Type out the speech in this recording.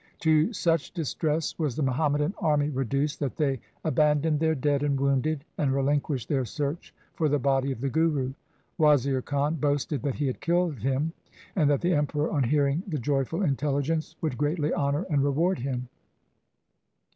To such distress was the Muhammadan army reduced, that they abandoned their dead and wounded, and relinquished their search for the body of the Guru. Wazir Khan boasted that he had killed him, and that the Emperoi on hearing the joyful intelligence would greatly honour and reward him.